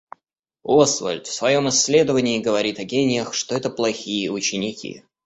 Освальд в своем исследовании говорит о гениях, что это плохие ученики.